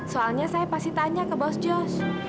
soalnya saya pasti tanya ke bos jos